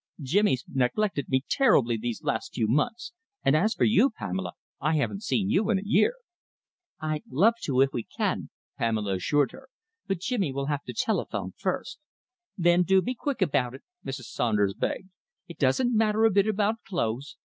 "Jimmy's neglected me terribly these last few months, and as for you, Pamela, I haven't seen you for a year." "I'd love to if we can," Pamela assured her, "but Jimmy will have to telephone first." "Then do be quick about it," Mrs. Saunders begged, "It doesn't matter a bit about clothes.